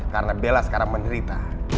karena bella sekarang menderita